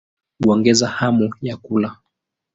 Huongeza hamu ya kula.